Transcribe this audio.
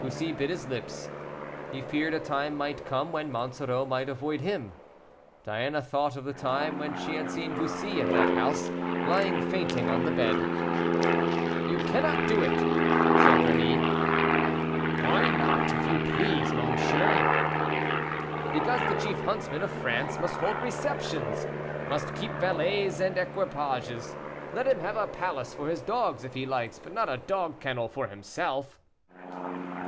Bussy bit his lips; he feared a time might come when Monsoreau might avoid him. Diana thought of the time when she had seen Bussy in that house, lying fainting on the bed. "You cannot do it," said Rémy. "Why not, if you please, monsieur?" "Because the chief huntsman of France must hold receptions must keep valets and equipages. Let him have a palace for his dogs, if he likes, but not a dog kennel for himself."